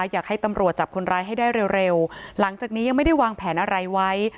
อยากให้ตำรวจจับคนร้ายให้ได้เร็วหลังจากนี้ยังไม่ได้วางแผนอะไรไว้